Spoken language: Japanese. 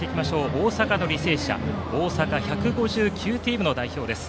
大阪の履正社は大阪１５９チームの代表です。